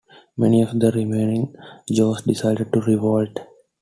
Many of the remaining Jews decided to revolt.